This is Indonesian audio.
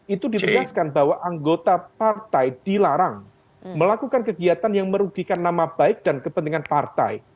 itu ditegaskan bahwa anggota partai dilarang melakukan kegiatan yang merugikan nama baik dan kepentingan partai